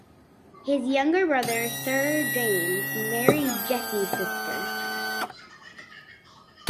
His younger brother, Sir James, married Jessie's sister.